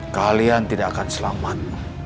kalian tidak akan selamat